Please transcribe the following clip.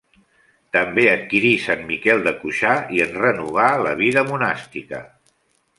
També adquirí Sant Miquel de Cuixà i en renovà la vida monàstica.